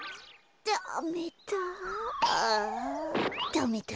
ダメだ。